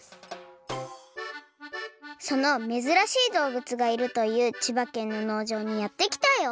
そのめずらしいどうぶつがいるという千葉県ののうじょうにやってきたよ